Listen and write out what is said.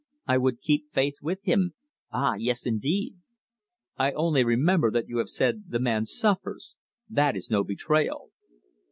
"I would keep faith with him ah, yes, indeed!" "I only remember that you have said the man suffers. That is no betrayal."